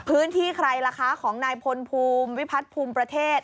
ใครล่ะคะของนายพลภูมิวิพัฒน์ภูมิประเทศ